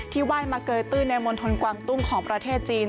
ไหว้มาเกยตื้นในมณฑลกวางตุ้งของประเทศจีน